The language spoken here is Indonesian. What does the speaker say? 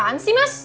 apaan sih mas